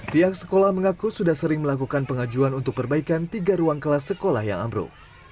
pihak sekolah mengaku sudah sering melakukan pengajuan untuk perbaikan tiga ruang kelas sekolah yang ambruk